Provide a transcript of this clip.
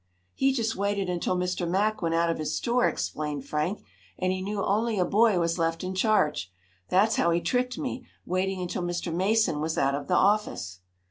"He just waited until Mr. Mack went out of his store," explained Frank, "and he knew only a boy was left in charge. That's how he tricked me, waiting until Mr. Mason was out of the office."